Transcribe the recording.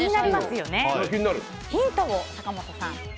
ヒントを、坂本さん。